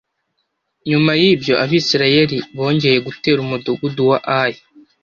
nyuma y’ ibyo abisirayeli bongeye gutera umudugudu wa ayi